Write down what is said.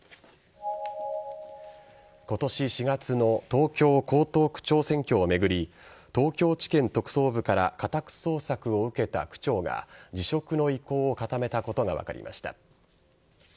今年４月の東京・江東区長選挙を巡り東京地検特捜部から家宅捜索を受けた区長が辞職の意向を固めたことが分かりました。